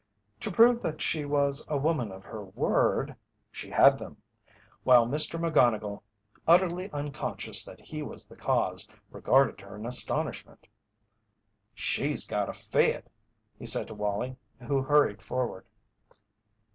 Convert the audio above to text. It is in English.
To prove that she was a woman of her word, she had them, while Mr. McGonnigle, utterly unconscious that he was the cause, regarded her in astonishment. "She's got a fit," he said to Wallie, who hurried forward.